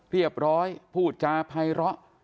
เรียบร้อยพูดจาภัยเลาะ